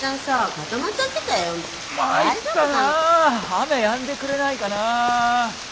雨やんでくれないかな。